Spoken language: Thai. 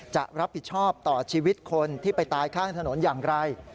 จะรับผิดชอบต่อชีวิตคนที่ไปตายข้างถนนอย่างไร